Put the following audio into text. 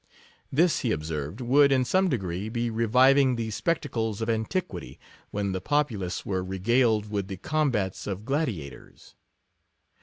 This, he observed, would, in some degree, be reviving the spec tacles of antiquity, when the populace were regaled with the combats of gladiators.